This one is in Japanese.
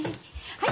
はい。